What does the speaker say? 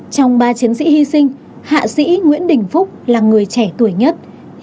trong ba chiến sĩ hy sinh hạ sĩ nguyễn đình phúc là người trẻ tuổi nhất